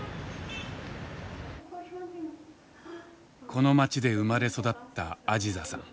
この街で生まれ育ったアジザさん。